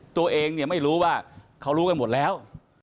ตัวเองเนี่ยไม่รู้ว่าเขารู้กันหมดแล้ว